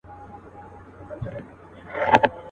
جهاني دا چي بلیږي یوه هم نه پاته کیږي.